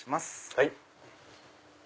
はい。